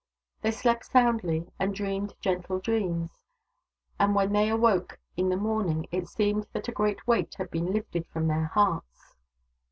They slept soundly, and dreamed gentle dreams ; and when they awoke in the morning it seemed that a great weight had been lifted from their hearts.